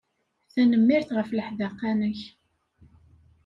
Tanemmirt ɣef leḥdaqa-nnek.